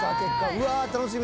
うわ楽しみ！